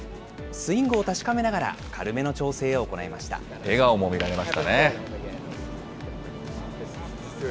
スイングを確かめながら軽めの調笑顔も見られましたね。